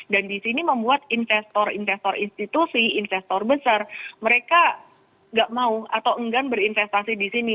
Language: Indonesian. dan di sini membuat investor investor institusi investor besar mereka nggak mau atau enggan berinvestasi di sini